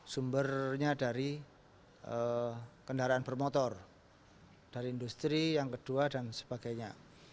sumbernya dari kendaraan bermotor dari industri yang kedua dan sebagainya